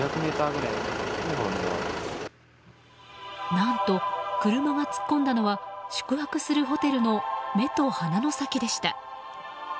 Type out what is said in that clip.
何と、車が突っ込んだのは宿泊するホテルの目と鼻の先でした。